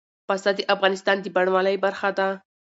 پسه د افغانستان د بڼوالۍ برخه ده.